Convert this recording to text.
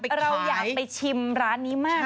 เราอยากไปชิมร้านนี้มาก